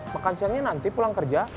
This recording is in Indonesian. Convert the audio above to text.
makan siangnya nanti pulang kerja